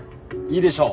いいでしょ。